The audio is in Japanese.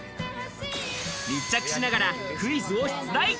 密着しながらクイズを出題。